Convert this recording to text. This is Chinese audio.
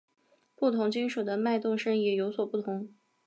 不同金属的脉动声也有所不同。